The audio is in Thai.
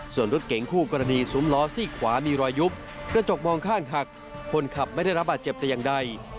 ส่วนรถเก๋งคู่กรณีซุ้มล้อซี่ขวามีรอยยุบกระจกมองข้างหักคนขับไม่ได้รับบาดเจ็บแต่อย่างใด